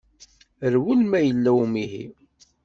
Rwel ma yella umihi.